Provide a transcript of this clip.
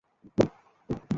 কাকে নিয়ে যাবি।